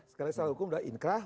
sekarang salah hukum sudah inkrah